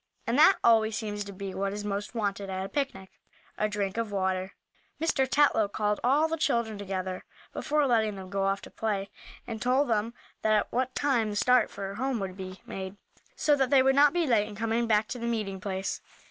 And that always seems to be what is most wanted at a picnic a drink of water. Mr. Tetlow called all the children together, before letting them go off to play, and told them at what time the start for home would be made, so that they would not be late in coming back to the meeting place.